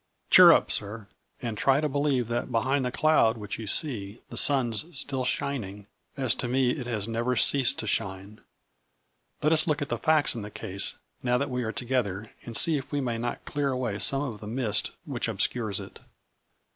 Cheer up, sir, and try to believe that ' behind the cloud ' which you see ' the sun's still shin ing,' as to medt has never ceased to shine. Let us look at the facts in the case, now that we are together, and see if we may not clear away some of the mist which obscures it.